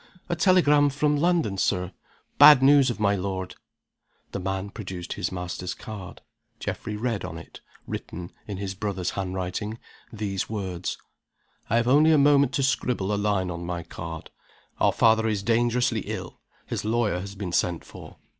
"A telegram from London, Sir. Bad news of my lord." The man produced his master's card. Geoffrey read on it (written in his brother's handwriting) these words: "I have only a moment to scribble a line on my card. Our father is dangerously ill his lawyer has been sent for.